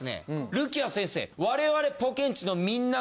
るきあ先生我々。